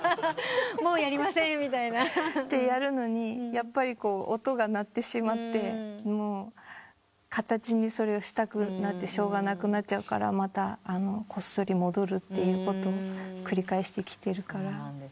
「もうやりません」みたいな？ってやるのにやっぱりこう音が鳴ってしまって形にそれをしたくなってしょうがなくなっちゃうからまたこっそり戻るということを繰り返してきてるから。